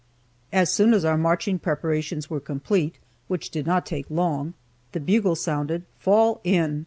As soon as our marching preparations were complete, which did not take long, the bugle sounded "Fall in!"